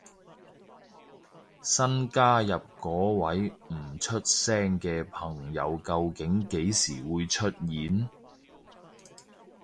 新加入嗰位唔出聲嘅朋友究竟幾時會出現？